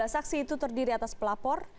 lima belas saksi itu terdiri atas pelapor